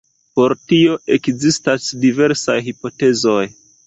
Por tio ekzistas diversaj hipotezoj.